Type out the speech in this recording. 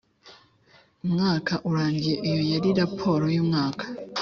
Umwaka urangiye iyo yari raporo y umwaka